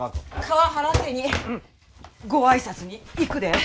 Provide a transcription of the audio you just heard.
川原家にご挨拶に行くでえ。